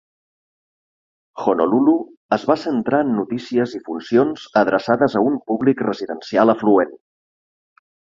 "Honolulu" es va centrar en notícies i funcions adreçades a un públic residencial afluent.